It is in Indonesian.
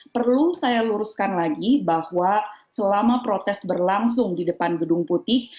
perlu saya luruskan lagi bahwa selama protes berlangsung di depan gedung putih